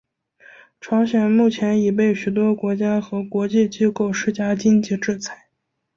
朝鲜目前已被许多国家和国际机构施加经济制裁。